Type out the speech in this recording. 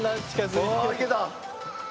おいけた！